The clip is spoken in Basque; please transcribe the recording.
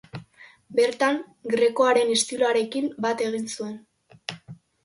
Bertan Grekoaren estiloarekin bat egin zuen.